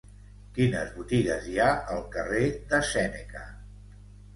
Quines botigues hi ha al carrer de Sèneca?